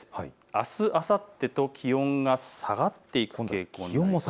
あす、あさってと気温が下がっていく傾向。